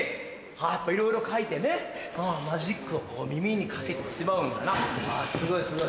やっぱいろいろ書いてねマジックを耳に掛けてしまうんだなすごいすごい。